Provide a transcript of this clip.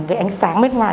cái ánh sáng bên ngoài